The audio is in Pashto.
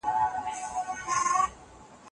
هغه نجلۍ چي پښتو یې زده وه، ډېره لایقه وه